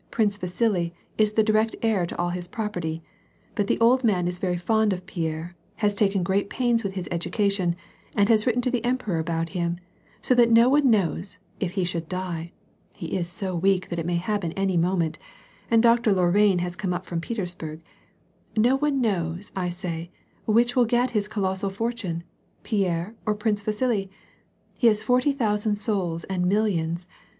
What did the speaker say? Prince Vasili, is the direct heir to all his property, but the old man is very fond of Pierre, has taken great pains with his education, and has written to the Emperor about him; so that no one knows, if he should die, — he is so weak, that it may happen any moment, and Dr. Lorrain has come up from Petersburg, — no one knows, I say, which will get his colossal fortune, Pierre or Prince Vasili. He has forty thousand souls and millions.